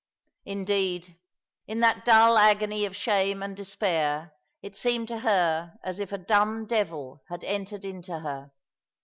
Indeed, in that dull agony of shame and despair it seemed to her as if a dumb devil had entered into her.